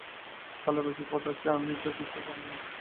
পালাইবার কি পথ আছে, আমিত কিছুই জানি না!